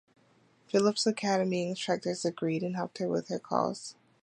Phillips Academy instructors agreed and helped her with her cause.